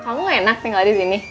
kamu enak tinggal di sini